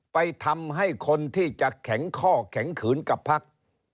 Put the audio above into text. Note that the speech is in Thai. ไปทำให้คนที่จะแข็งข้อแข็งขืนกับพัก